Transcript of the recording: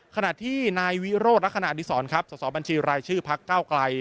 ขนาดที่นายวิโรธและขนาดดิสรสสบัญชีรายชื่อพักเก้าไกล